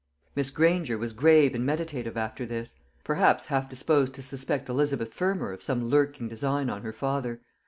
Miss Granger was grave and meditative after this perhaps half disposed to suspect Elizabeth Fermor of some lurking design on her father.